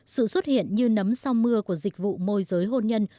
sự xuất hiện như nấm sau mưa của dịch vụ môi giới hôn nhân